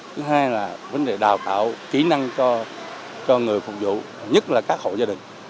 thứ hai là vấn đề đào tạo kỹ năng cho người phục vụ nhất là các hộ gia đình